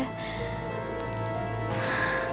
masa sebuah kebijaksanaan juga